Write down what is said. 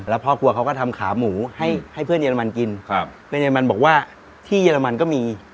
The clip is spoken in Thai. แล้วพ่อครัวเขาก็ทำขาหมูให้เพื่อนเรมันกินครับเพื่อนเรมันบอกว่าที่เยอรมันก็มี